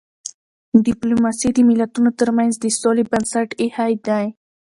ډيپلوماسي د ملتونو ترمنځ د سولي بنسټ ایښی دی.